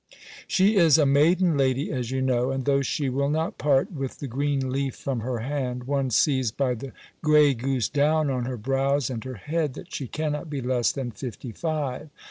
She is a maiden lady, as you know, and though she will not part with the green leaf from her hand, one sees by the grey goose down on her brows and her head, that she cannot be less than fifty five.